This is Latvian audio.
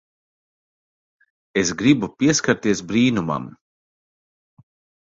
Es gribu pieskarties brīnumam.